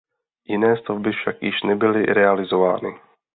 Jiné stavby však již nebyly realizovány.